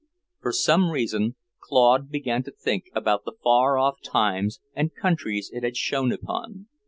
For some reason, Claude began to think about the far off times and countries it had shone upon.